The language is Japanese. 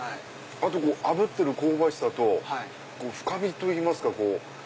あとあぶってる香ばしさと深みといいますか。